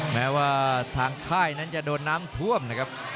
แม้ว่าทางค่ายนั้นจะโดนน้ำท่วมนะครับ